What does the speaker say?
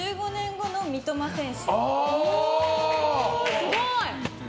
すごい。